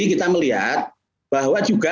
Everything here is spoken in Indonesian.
kita melihat bahwa juga